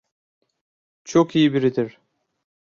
Çok iyi biridir.